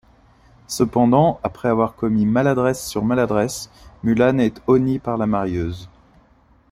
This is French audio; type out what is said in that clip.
Cependant, après avoir commis maladresse sur maladresse, Mulan est honnie par la marieuse.